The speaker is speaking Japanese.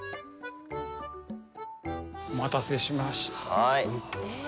お待たせしました。